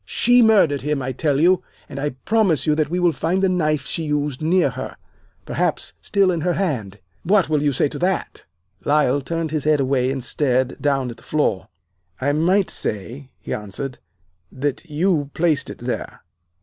She murdered him, I tell you, and I promise you that we will find the knife she used near her perhaps still in her hand. What will you say to that?' "Lyle turned his head away and stared down at the floor. 'I might say,' he answered, 'that you placed it there.